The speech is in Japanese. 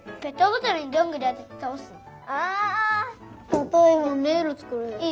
たとえばめいろつくる。